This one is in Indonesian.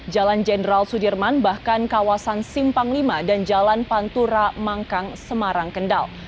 jalan jenderal sudirman bahkan kawasan simpang v dan jalan pantura mangkang semarang kendal